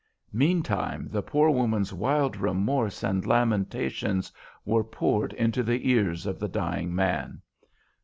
Meantime, the poor woman's wild remorse and lamentations were poured into the ears of the dying man.